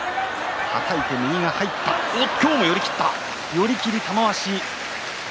寄り切り玉鷲。